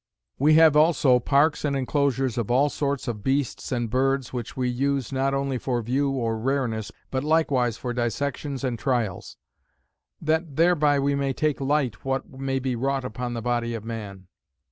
"We have also parks and enclosures of all sorts of beasts and birds which we use not only for view or rareness, but likewise for dissections and trials; that thereby we may take light what may be wrought upon the body of man.